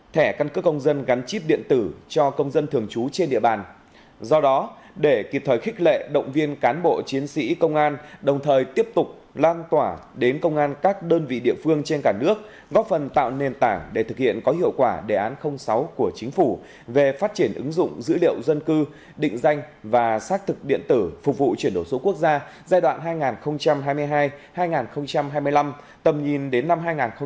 năm thẻ căn cứ công dân gắn chip điện tử cho công dân thường trú trên địa bàn do đó để kịp thời khích lệ động viên cán bộ chiến sĩ công an đồng thời tiếp tục lan tỏa đến công an các đơn vị địa phương trên cả nước góp phần tạo nền tảng để thực hiện có hiệu quả đề án sáu của chính phủ về phát triển ứng dụng dữ liệu dân cư định danh và xác thực điện tử phục vụ chuyển đổi số quốc gia giai đoạn hai nghìn hai mươi hai hai nghìn hai mươi năm tầm nhìn đến năm hai nghìn ba mươi